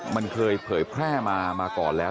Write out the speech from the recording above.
มันเคยเผยแพร่มาก่อนแล้ว